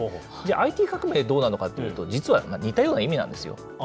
ＩＴ革命、どうなのかっていうと、実は似たような意味なんですよ。